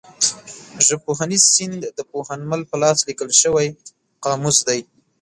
ژبپوهنیز سیند د پوهنمل په لاس لیکل شوی قاموس دی.